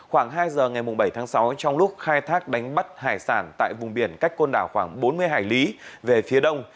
khoảng hai giờ ngày bảy tháng sáu trong lúc khai thác đánh bắt hải sản tại vùng biển cách côn đảo khoảng bốn mươi hải lý về phía đông